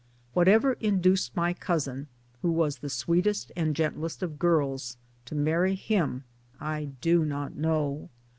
Whatever induced my cousin who was the sweetest and gentlest of girls to marry him I do not know.